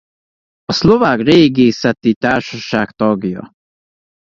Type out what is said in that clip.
A Szlovák Régészeti Társaság tagja.